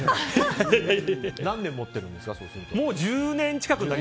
何年持ってるんですか？